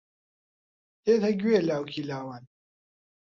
دێتە گوێ لاوکی لاوان